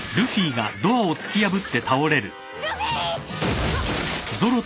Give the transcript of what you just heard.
・ルフィ！